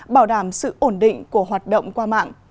bảo đảm sự ổn định của hoạt động qua mạng